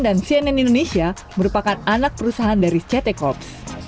dan cnn indonesia merupakan anak perusahaan dari ct corp